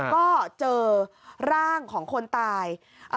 ก็เจอร่างของคนตาย